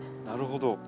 なるほど。